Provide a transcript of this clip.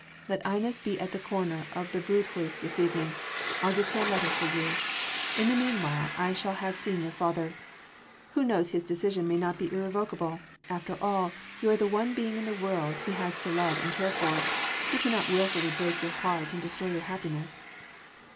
"Let Inez be at the corner of the Broodhuis this evening. I’ll give her a letter for you. In the meanwhile I shall have seen your father. Who knows his decision may not be irrevocable after all you are the one being in the world he has to love and to care for; he cannot wilfully break your heart and destroy your happiness."